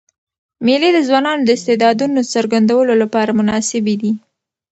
مېلې د ځوانانو د استعدادونو څرګندولو له پاره مناسبي دي.